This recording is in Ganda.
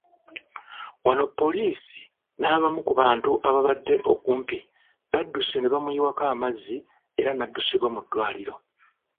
Wano poliisi n'abamu ku bantu ababadde okumpi badduse ne bamuyiwako amazzi era n'addusibwa mu ddwaliro.